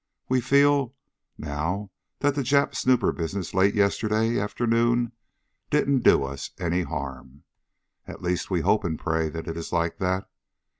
We feel, now, that the Jap snooper business late yesterday afternoon didn't do us any harm. At least we hope and pray that it is like that.